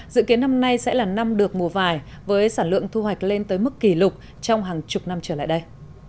dự kiến năm nay sẽ là năm được mùa vải với sản lượng thu hoạch lên tới mức kỷ lục trong hàng chục năm trở lại đây